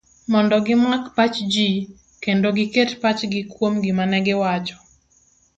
mondo gimak pach ji, kendo giket pachgi kuom gima negiwacho